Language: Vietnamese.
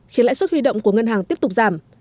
khiến lãi suất huy động của ngân hàng tiếp tục giảm